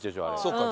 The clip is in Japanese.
そっか。